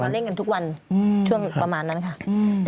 เล่นกันทุกวันช่วงประมาณนั้นค่ะ